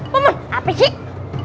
paman apa sih